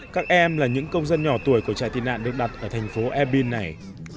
các em là những công dân nhỏ tuổi của trại tị nạn được đặt ở thành phố airbin này